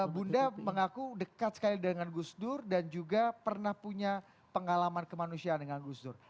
bunda mengaku dekat sekali dengan gus dur dan juga pernah punya pengalaman kemanusiaan dengan gus dur